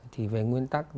thì về nguyên tắc